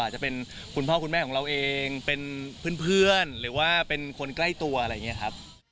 จะเป็นคุณพ่อคุณแม่ของเราเองเป็นเพื่อนหรือว่าเป็นคนใกล้ตัวอะไรอย่างนี้ครับ